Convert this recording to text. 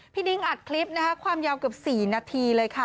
พี่นิ้งอัดคลิปความยาวเกือบ๔นาทีเลยค่ะ